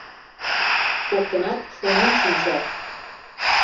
Коктынат шонен шинчат.